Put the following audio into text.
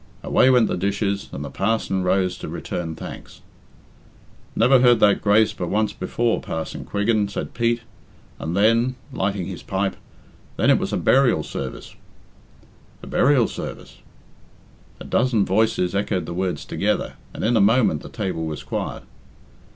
Away went the dishes, and the parson rose to return thanks. "Never heard that grace but once before, Parson Quiggin," said Pete, "and then" lighting his pipe "then it was a burial sarvice." "A burial sarvice!" A dozen voices echoed the words together, and in a moment the table was quiet.